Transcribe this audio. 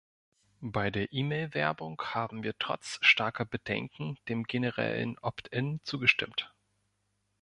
Bei der E-Mail-Werbung haben wir trotz starker Bedenken dem generellen opt in zugestimmt.